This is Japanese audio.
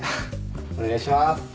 お願いします。